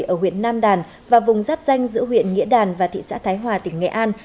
ở huyện nam đàn và vùng giáp danh giữa huyện nghĩa đàn và thị xã thái hòa tỉnh nghệ an